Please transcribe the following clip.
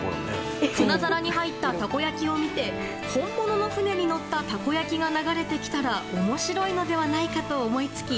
船皿に入った、たこ焼きを見て本物の船に乗ったたこ焼きが流れてきたら面白いのではないかと思い付き